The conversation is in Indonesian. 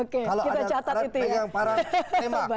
kalau ada yang pegang parang emang